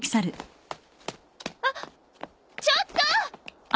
あっちょっと！